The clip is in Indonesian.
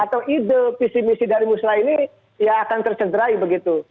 jadi itu visi visi dari musrah ini ya akan tercederai begitu